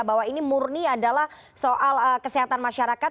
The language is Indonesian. bahwa ini murni adalah soal kesehatan masyarakat